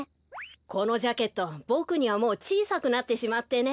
このジャケットボクにはもうちいさくなってしまってね。